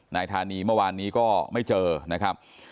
นายธานีเมื่อวานนี้ก็ไม่เจอนะครับ